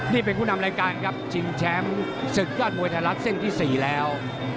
นี่เป็นผู้นำรายการครับชิงแชมป์ศึกยอดมวยไทยรัฐเส้นที่๔แล้ว